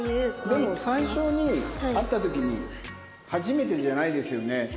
でも最初に会った時に「初めてじゃないですよね？